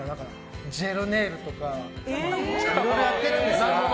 ジェルネイルとかいろいろやってるんです。